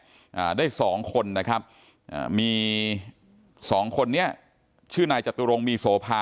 อ่าได้สองคนนะครับอ่ามีสองคนเนี้ยชื่อนายจตุรงมีโสภา